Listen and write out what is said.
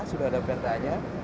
sudah ada perda nya